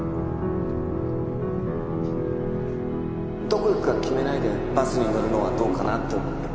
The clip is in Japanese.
どこ行くか決めないでバスに乗るのはどうかなって思って